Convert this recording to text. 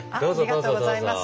ありがとうございます。